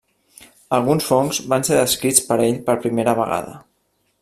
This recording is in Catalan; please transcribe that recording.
Alguns fongs van ser descrits per ell per primera vegada.